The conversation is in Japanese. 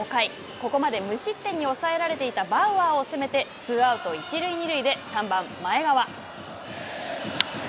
ここまで無失点に抑えられていたバウアーを攻めてツーアウト、一塁二塁で３番前川。